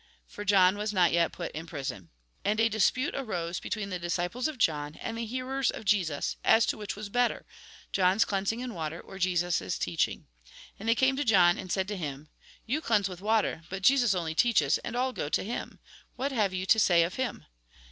For John was not yet put in prison. And a dispute arose between the disciples of John and the hearers of Jesus, as to which was better, John's cleansing in water or Jesus' teach ing. And they came to John, and said to him :" You cleanse with water, but Jesus only teaches, and all go to him. What have you to say of him